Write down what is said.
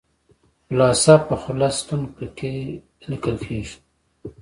خلاصه په خلص ستون کې لیکل کیږي.